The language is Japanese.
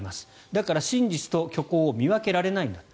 だから、真実と虚構を見分けられないんだと。